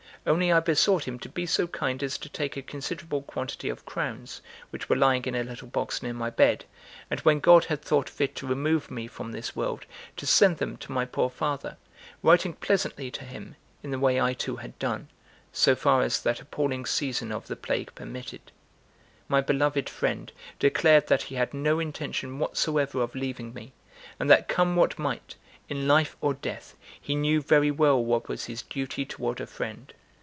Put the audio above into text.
Only I besought him to be so kind as to take a considerable quantity of crowns, which were lying in a little box near my bed, and when God had thought fit to remove me from this world, to send them to my poor father, writing pleasantly to him, in the way I too had done, so far as that appalling season of the plague permitted. My beloved friend declared that he had no intention whatsoever of leaving me, and that come what might, in life or death, he knew very well what was his duty toward a friend.